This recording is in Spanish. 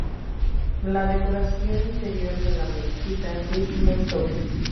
La decoración interior de la mezquita es muy sobria.